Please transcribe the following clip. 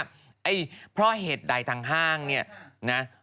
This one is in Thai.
เพราะว่าเพราะเหตุใดทางห้างเนี่ยนะ